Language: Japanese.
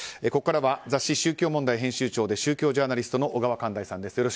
ここからは雑誌「宗教問題」編集長で宗教ジャーナリストの小川寛大さんです